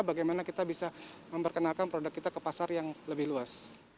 bagaimana kita bisa memperkenalkan produk kita ke pasar yang lebih luas